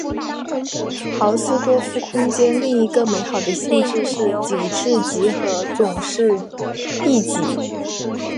豪斯多夫空间另一个美好的性质是紧致集合总是闭集。